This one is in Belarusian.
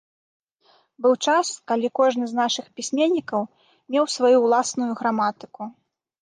Быў час, калі кожны з нашых пісьменнікаў меў сваю ўласную граматыку.